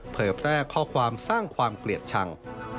เผยแพร่ข้อความสร้างความเกลียดชัง